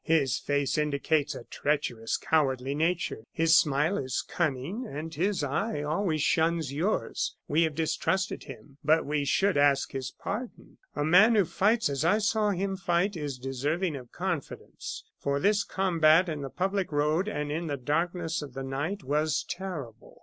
His face indicates a treacherous, cowardly nature, his smile is cunning, and his eyes always shun yours. We have distrusted him, but we should ask his pardon. A man who fights as I saw him fight, is deserving of confidence. For this combat in the public road, and in the darkness of the night, was terrible.